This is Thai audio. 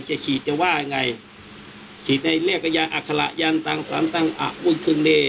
จะขีดจะว่าอย่างไรขีดในเรียกว่าอัคละยันตังสันตังอัพวุธึงเน